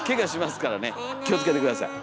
気をつけて下さい。